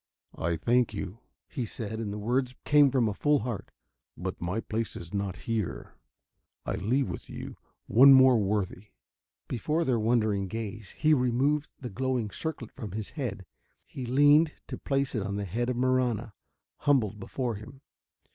"I thank you," he said, and the words came from a full heart, "but my place is not here. I leave with you one more worthy." Before their wondering gaze he removed the glowing circlet from his head; he leaned to place it on the head of Marahna, humbled before him.